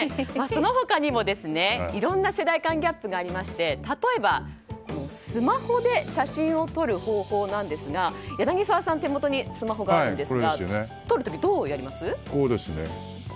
その他にも、いろんな世代間ギャップがありまして例えば、スマホで写真を撮る方法なんですが柳澤さんの手元にスマホがあるんですが撮る時、どうやります？